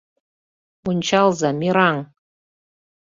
— Ончалза — мераҥ!